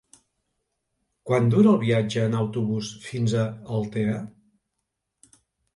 Quant dura el viatge en autobús fins a Altea?